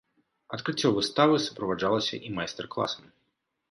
Адкрыццё выставы суправаджалася і майстар-класам.